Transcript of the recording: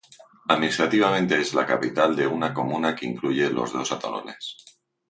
Administrativamente es la capital de una comuna que incluye los dos atolones.